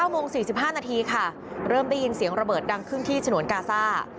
โมง๔๕นาทีค่ะเริ่มได้ยินเสียงระเบิดดังขึ้นที่ฉนวนกาซ่า